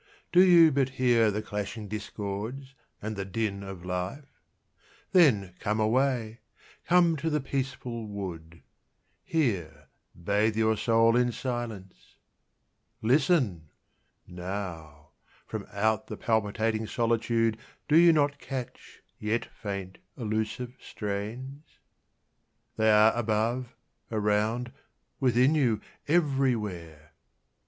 Do you but hear the clashing discords and the din of life? Then come away, come to the peaceful wood, Here bathe your soul in silence. Listen! Now, From out the palpitating solitude Do you not catch, yet faint, elusive strains? They are above, around, within you, everywhere.